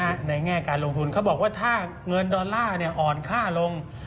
ในแง่การลงทุนเขาบอกว่าถ้าเงินดอลลาร์อ่อนค่าลง